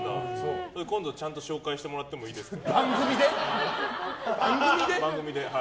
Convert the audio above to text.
今度ちゃんと紹介してもらっていいですか。